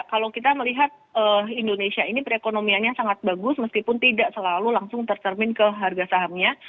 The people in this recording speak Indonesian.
kalau kita melihat indonesia ini perekonomiannya sangat bagus meskipun tidak selalu langsung tercermin ke harga sahamnya